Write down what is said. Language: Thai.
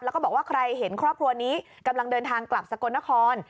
แล้วก็บอกว่าใครเห็นครอบครัวนี้กำลังเดินทางกลับสกลนคร